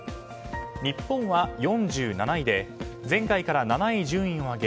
日本は４７位で前回から７位順位を上げ